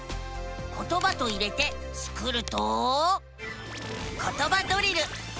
「ことば」と入れてスクると「ことばドリル」。